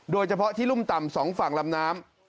โดยเฉพาะที่รุ่มต่ำ๒ฝั่งลำน้ำ